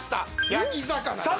焼き魚です。